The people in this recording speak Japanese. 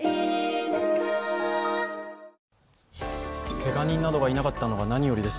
けが人などがいなかったのが何よりです。